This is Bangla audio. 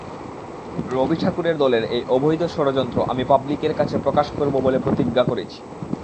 রবি ঠাকুরের দলের এই অবৈধ ষড়যন্ত্র আমি পাব্লিকের কাছে প্রকাশ করব বলে প্রতিজ্ঞা করেছি।